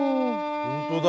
ほんとだ！